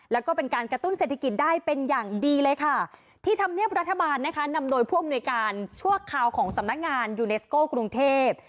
แล้วก็เป็นการกระตุ้นเศรษฐกิจได้เป็นอย่างดีเลยค่ะที่ธรรมเนียบรัฐบาลนะคะนำโดยผู้อำนวยการชั่วคราวของสำนักงานยูเนสโก้กรุงเทพ